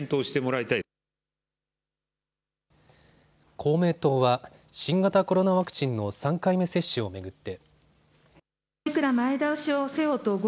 公明党は新型コロナワクチンの３回目接種を巡って。